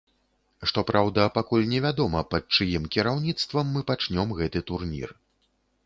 Што праўда, пакуль не вядома пад чыім кіраўніцтвам мы пачнём гэты турнір.